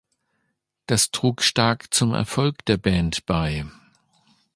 Das trug stark zum Erfolg der Band bei.